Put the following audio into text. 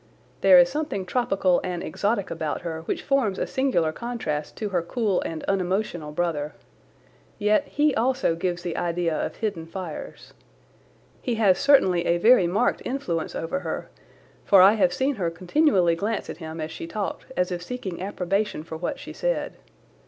There is something tropical and exotic about her which forms a singular contrast to her cool and unemotional brother. Yet he also gives the idea of hidden fires. He has certainly a very marked influence over her, for I have seen her continually glance at him as she talked as if seeking approbation for what she said.